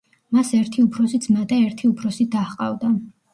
მას ერთი უფროსი ძმა და ერთი უფროსი და ჰყავდა.